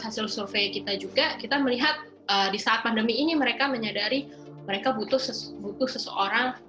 hasil survei kita juga kita melihat di saat pandemi ini mereka menyadari mereka butuh seseorang